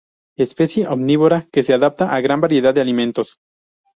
Especie omnívora que se adapta a gran variedad de alimentos.